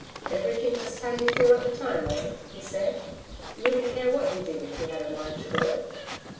'Everything just how you feel at the time, eh?' he said. 'You wouldn't care what you did if you had a mind to do it.'